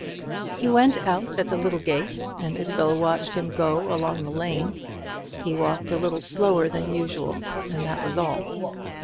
He went out at the little gate, and Isabel watched him going along the lane. He walked a little slower than usual, and that was all.